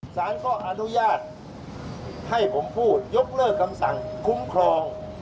สารก็อนุญาตให้ผมพูดยกเลิกคำสั่งคุ้มครอง